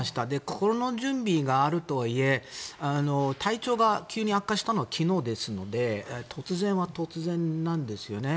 心の準備があるとはいえ体調が急に悪化したのは昨日ですので突然は突然なんですよね。